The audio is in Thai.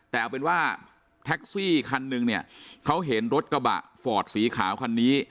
แต่เอาเป็นว่าแท็กซี่คันนึงเนี่ยเขาเห็นรถกระบะฟอร์ดสีขาวคันนี้